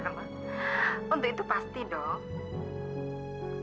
untuk itu pasti dok